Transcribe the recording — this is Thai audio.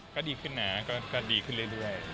ก็ดีขึ้นนะก็ดีขึ้นเรื่อย